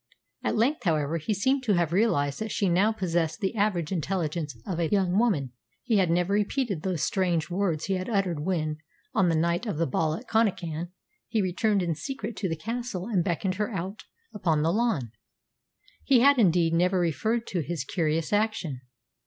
At length, however, he seemed to have realised that she now possessed the average intelligence of a young woman. He had never repeated those strange words he had uttered when, on the night of the ball at Connachan, he returned in secret to the castle and beckoned her out upon the lawn. He had, indeed, never referred to his curious action.